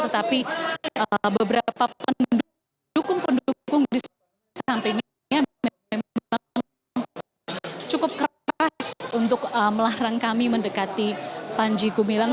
tetapi beberapa pendukung pendukung di sampingnya memang cukup keras untuk melarang kami mendekati panji gumilang